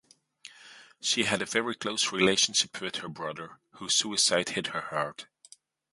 She had a very close relationship with her brother, whose suicide hit her hard.